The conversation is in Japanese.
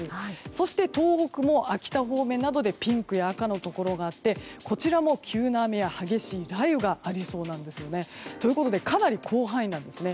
そして、東北も秋田方面などでピンクや赤のところがあってこちらも急な雨や激しい雷雨がありそうなんですよね。ということでかなり広範囲なんですね。